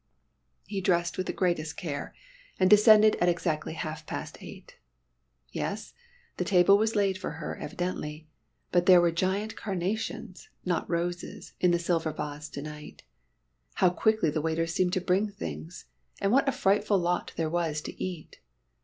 He dressed with the greatest care, and descended at exactly half past eight. Yes, the table was laid for her evidently but there were giant carnations, not roses, in the silver vase to night. How quickly the waiters seemed to bring things! And what a frightful lot there was to eat!